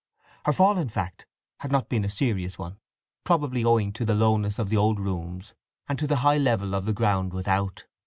Her fall, in fact, had not been a serious one, probably owing to the lowness of the old rooms and to the high level of the ground without.